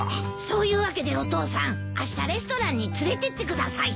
そういうわけでお父さんあしたレストランに連れてってください。